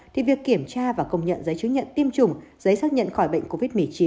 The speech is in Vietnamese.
thì việc kiểm tra và công nhận giấy chứng nhận tiêm chủng giấy xác nhận khỏi bệnh covid một mươi chín